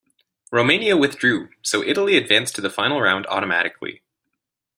Romania withdrew, so Italy advanced to the Final Round automatically.